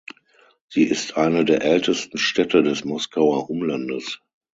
Sie ist eine der ältesten Städte des Moskauer Umlandes.